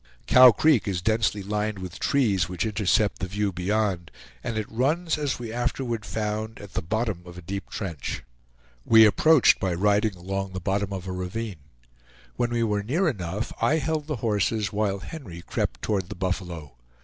Cow Creek is densely lined with trees which intercept the view beyond, and it runs, as we afterward found, at the bottom of a deep trench. We approached by riding along the bottom of a ravine. When we were near enough, I held the horses while Henry crept toward the buffalo.